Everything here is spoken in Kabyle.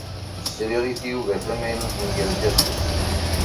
Sriɣ i tyuga tamaynut n yerkasen.